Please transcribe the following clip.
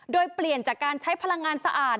โดยเปลี่ยนจากการใช้พลังงานสะอาด